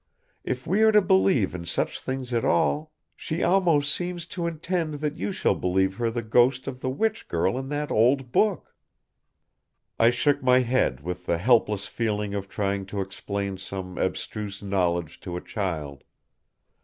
If we are to believe in such things at all ? She almost seems to intend that you shall believe her the ghost of the witch girl in that old book." I shook my head with the helpless feeling of trying to explain some abstruse knowledge to a child.